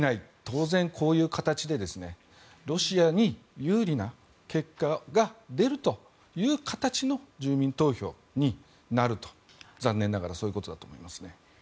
当然、こういう形でロシアに有利な結果が出るという形の住民投票になると残念ながら、そういうことだと思いますね。